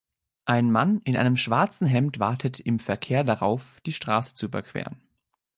Ein Mann in einem schwarzen Hemd wartet im Verkehr darauf, die Straße zu überqueren.